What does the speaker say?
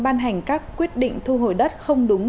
ban hành các quyết định thu hồi đất không đúng